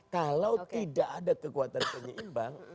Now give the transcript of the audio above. kalau tidak ada kekuatan penyeimbang